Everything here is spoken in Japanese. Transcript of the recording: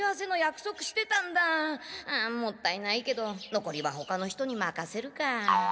もったいないけどのこりはほかの人にまかせるか。